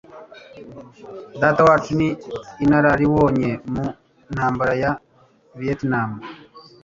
Datawacu ni inararibonye mu Ntambara ya Vietnam.